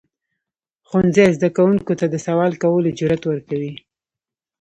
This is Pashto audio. ښوونځی زده کوونکو ته د سوال کولو جرئت ورکوي.